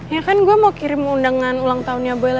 ya kan gue mau kirim undangan ulang tahunnya boy